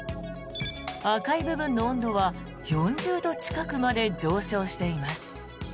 赤い部分の温度は４０度近くまで上昇しています。